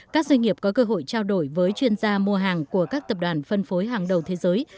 các doanh nghiệp có cơ hội trao đổi với chuyên gia mua hàng của các tập đoàn phân phối hàng đầu thế giới